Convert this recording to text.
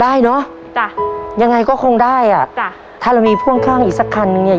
ได้เนอะจ้ะยังไงก็คงได้อ่ะจ้ะถ้าเรามีพ่วงข้างอีกสักคันหนึ่งเนี้ย